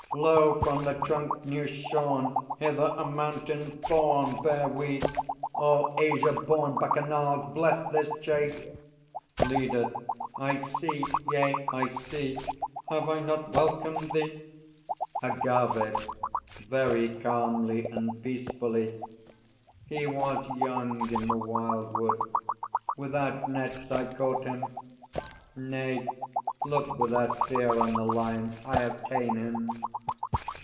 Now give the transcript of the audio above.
Lo, from the trunk new shorn Hither a Mountain Thorn Bear we! O Asia born Bacchanals, bless this chase! LEADER. I see. Yea; I see. Have I not welcomed thee? AGAVE (very calmly and peacefully). He was young in the wildwood: Without nets I caught him! Nay; look without fear on The Lion; I have ta'en him!